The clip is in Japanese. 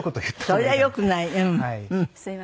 それはよくない。